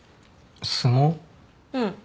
うん。